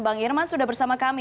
bang irman sudah bersama kami